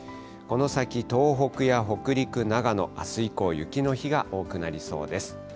この先、東北や北陸、長野、あす以降、雪の日が多くなりそうです。